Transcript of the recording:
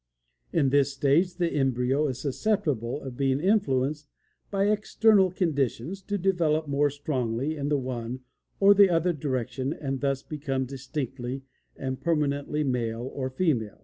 In this stage, the embryo is susceptible of being influenced by external conditions to develop more strongly in the one or the other direction and thus become distinctly and permanently male or female.